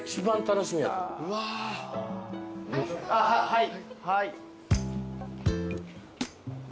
はい。